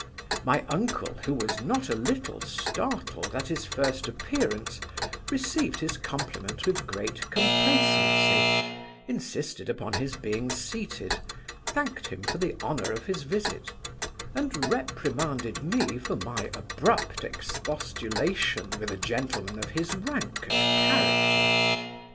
My uncle, who was not a little startled at his first appearance, received his compliment with great complacency, insisted upon his being seated, thanked him for the honour of his visit, and reprimanded me for my abrupt expostulation with a gentleman of his rank and character.